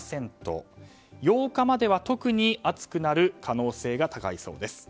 ８日までは特に暑くなる可能性が高いそうです。